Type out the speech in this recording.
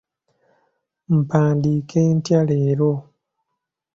Mpandiike ntya leero?